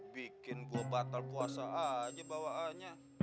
bikin gue batal puasa aja bawaannya